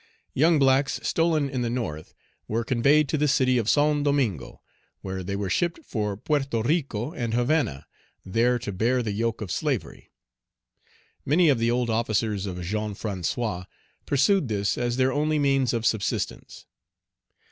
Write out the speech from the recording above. Young blacks, stolen in the North were conveyed to the city of Saint Domingo, where they were shipped for Porto Rico and Havanah, there to bear the yoke of slavery. Many of the old officers of Jean François pursued this as their only means of subsistence.